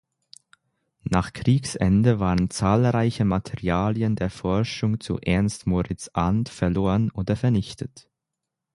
Nach Kriegsende waren zahlreiche Materialien der Forschung zu Ernst Moritz Arndt verloren oder vernichtet.